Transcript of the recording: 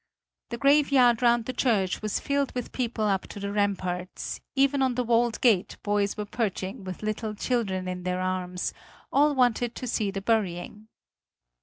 The graveyard round the church was filled with people up to the ramparts; even on the walled gate boys were perching with little children in their arms; all wanted to see the burying.